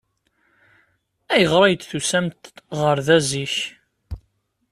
Ayɣer ay d-tusamt ɣer da zik?